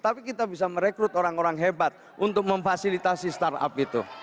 tapi kita bisa merekrut orang orang hebat untuk memfasilitasi startup itu